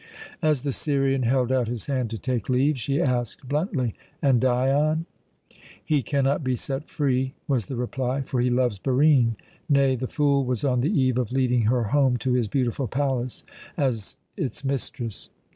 As the Syrian held out his hand to take leave, she asked bluntly: "And Dion?" "He cannot be set free," was the reply, "for he loves Barine; nay, the fool was on the eve of leading her home to his beautiful palace as its mistress."